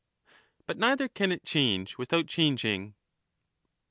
But neither can it change without changing.